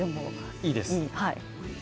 いいですね。